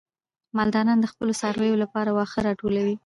مالداران د خپلو څارویو لپاره واښه راټولوي.